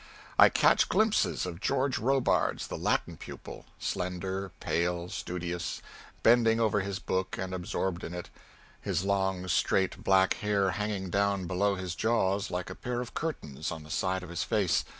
I catch glimpses of George Robards, the Latin pupil slender, pale, studious, bending over his book and absorbed in it, his long straight black hair hanging down below his jaws like a pair of curtains on the sides of his face.